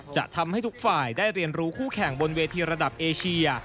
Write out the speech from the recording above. จะทำให้ทุกฝ่ายได้เรียนรู้คู่แข่งบนเวทีระดับเอเชีย